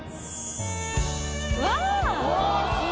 うわ！